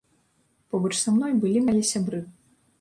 Побач са мной былі мае сябры.